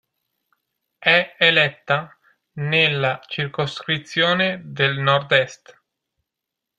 È eletta nella circoscrizione del Nord-Est.